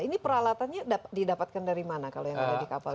ini peralatannya didapatkan dari mana kalau yang ada di kapal